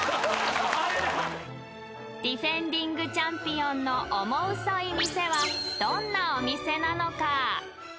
［ディフェンディングチャンピオンのオモウソい店はどんなお店なのか？］